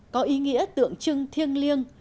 có ý nghĩa tượng trưng thiêng liêng